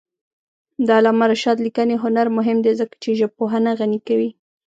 د علامه رشاد لیکنی هنر مهم دی ځکه چې ژبپوهنه غني کوي.